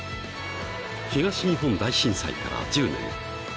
東日本大震災から１０年。